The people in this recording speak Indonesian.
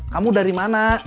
kamu dari mana